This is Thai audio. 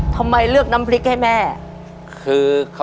ตัวเลือกที่สี่ชัชวอนโมกศรีครับ